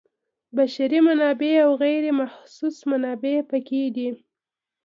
بشري منابع او غیر محسوس منابع پکې دي.